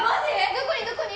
どこにどこに？